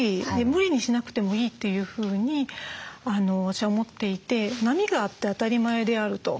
無理にしなくてもいいというふうに私は思っていて波があって当たり前であると。